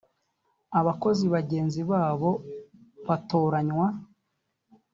abakozi bagenzi babo batoranywa